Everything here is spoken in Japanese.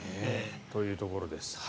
というところです。